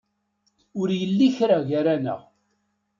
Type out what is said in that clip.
Ur yelli kra gar-aneɣ.